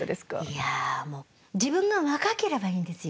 いやもう自分が若ければいいんですよ。